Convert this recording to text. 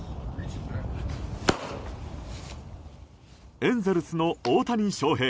エンゼルスの大谷翔平。